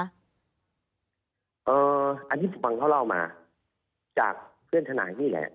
อันนี้ฟังเขาเล่ามาจากเพื่อนทนายนี่แหละ